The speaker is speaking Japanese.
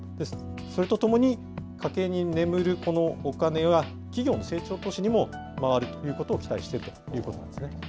それとともに、家計に眠るお金は企業の成長投資にも回るということを期待しているということなんですね。